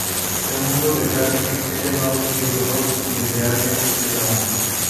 El mundo de Garrick es llamado Tierra-Dos y el de Allen Tierra-Uno.